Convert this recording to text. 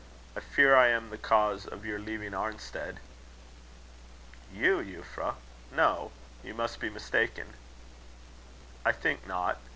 "I fear I am the cause of your leaving Arnstead." "You, Euphra? No. You must be mistaken." "I think not.